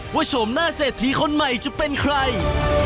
โฉมหน้าเศรษฐีคนใหม่จะเป็นใคร